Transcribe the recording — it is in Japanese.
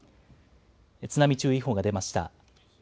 津波注意報が出ました。